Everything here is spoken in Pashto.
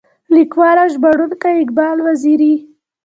ليکوال او ژباړونکی اقبال وزيري.